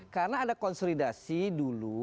karena ada konsolidasi dulu